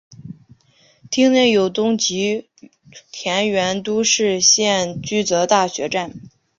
町内有东急田园都市线驹泽大学站。